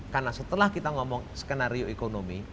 karena setelah kita ngomong skenario ekonomi